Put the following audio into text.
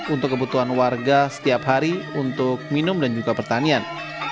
untuk kebutuhan warga setiap hari untuk minum dan juga pertanian